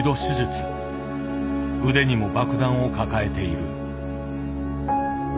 腕にも爆弾を抱えている。